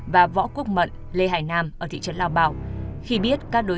và võ quốc mận lê hải nam ở thị trấn lao bảo